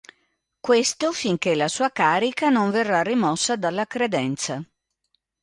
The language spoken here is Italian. Questo finché la sua carica non verrà rimossa dalla credenza.